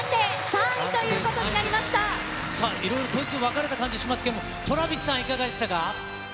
さあ、いろいろ点数、分かれた感じがしますけど、Ｔｒａｖｉｓさん、いかがでしたか。